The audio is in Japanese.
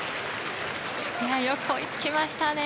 よく追いつきましたね。